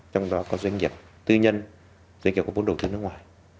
trong đó có doanh nghiệp tư nhân doanh nghiệp có vốn đầu tư nước ngoài